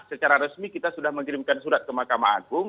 secara resmi kita sudah mengirimkan surat ke mahkamah agung